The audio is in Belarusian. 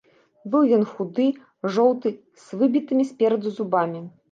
Быў ён худы, жоўты, з выбітымі спераду зубамі.